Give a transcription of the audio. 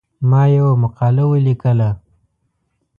ما یوه مقاله ولیکله.